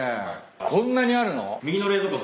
こんなにあるの？